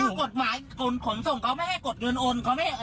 กดให้โอนเงิน